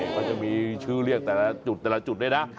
ก็จะมีชื่อเรียกแต่ละจุดด้วยนะ